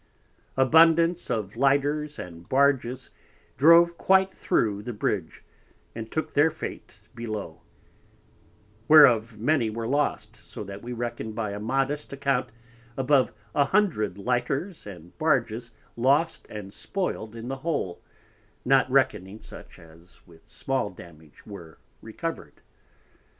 Abundance of Lighters and Barges drove quite thro' the Bridge, and took their fate below, whereof many were lost, so that we Reckon by a modest account above 100 Lighters and Barges lost and spoil'd in the whole, not reckoning such as with small damage were recovered.